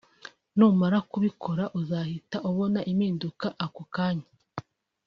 numara kubikora uzahita ubona impinduka ako kanya